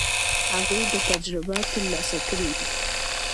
هغوی به تجربه ترلاسه کړې وي.